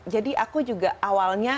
jadi aku juga awalnya